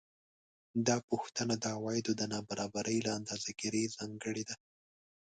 دا پوښتنه د عوایدو د نابرابرۍ له اندازه ګیرۍ ځانګړې ده